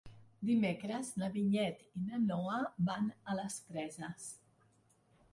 Dimecres na Vinyet i na Noa van a les Preses.